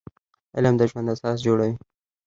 علم د ژوند اساس جوړوي